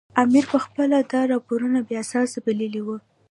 امیر پخپله دا راپورونه بې اساسه بللي وو.